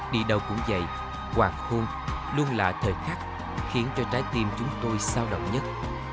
đi đâu cũng vậy quàng khuôn luôn là thời khắc khiến cho trái tim chúng tôi sao động nhất